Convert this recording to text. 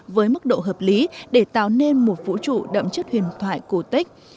với mức độ hợp lý để tạo nên một vũ trụ đậm chất huyền thoại cổ tích